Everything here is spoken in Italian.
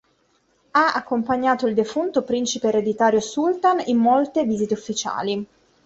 Ha accompagnato il defunto principe ereditario Sultan in molte visite ufficiali.